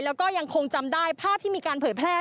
แล้วก็ยังคงจำได้ภาพที่มีการเผยแพร่